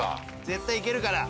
絶対行けるから。